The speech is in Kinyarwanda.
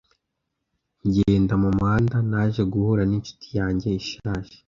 Ngenda mu muhanda, naje guhura n'inshuti yanjye ishaje.